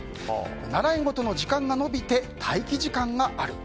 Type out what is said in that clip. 習い事の時間が延びて待機時間がある。